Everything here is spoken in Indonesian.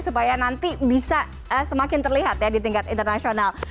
supaya nanti bisa semakin terlihat ya di tingkat internasional